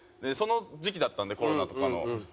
その時期だったんでコロナとかの。